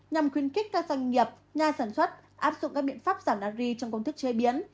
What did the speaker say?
nhằm khuyến kích các doanh nghiệp nhà sản xuất áp dụng các biện pháp giảm nắc ri trong công thức chế biến